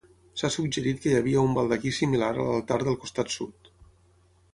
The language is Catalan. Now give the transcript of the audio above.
S'ha suggerit que hi havia un baldaquí similar a l'altar del costat sud.